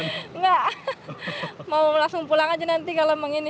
enggak mau langsung pulang aja nanti kalau mengini